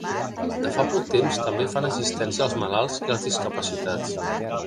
De fa poc temps, també fan assistència als malalts i als discapacitats.